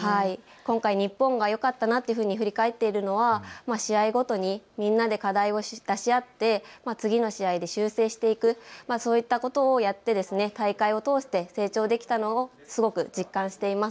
今回日本がよかったところとして振り返っているのは試合ごとにみんなで課題を出し合って次の試合で修正していく、そういったことをやって大会を通して成長できたのをすごく実感しています。